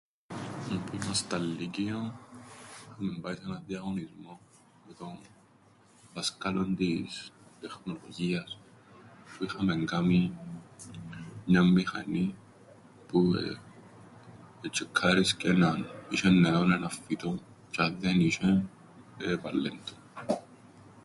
Ε, που ήμασταν λύκειον είχαμεν πάει σ' έναν διαγωνισμόν, με τον... δάσκαλον της... τεχνολογίας, που είχαμεν κάμει μιαν μηχανήν, που εεε... ετσ̆εκκάρισκεν αν είσ̆εν νερόν έναν φυτόν, τζ̆ι αν δεν είσ̆εν, ε, έβαλλεν του.